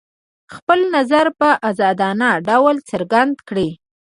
خپل نظر په ازادانه ډول څرګند کړي.